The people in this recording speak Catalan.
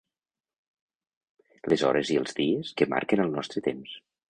Les hores i els dies que marquen el nostre temps.